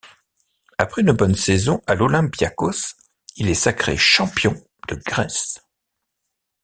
Après une bonne saison à l'Olympiakos, il est sacré champion de Grèce.